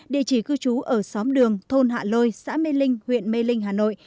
địa chỉ cư trú ở xóm đường thôn hạ lôi xã mê linh huyện mê linh hà nội